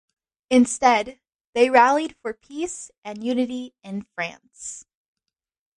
Instead, they rallied for peace and unity in France.